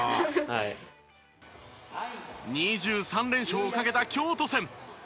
２３連勝をかけた京都戦。